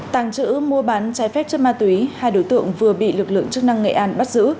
tàng trữ mua bán trái phép chất ma túy hai đối tượng vừa bị lực lượng chức năng nghệ an bắt giữ